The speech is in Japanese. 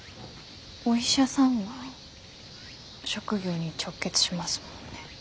お医者さんは職業に直結しますもんね。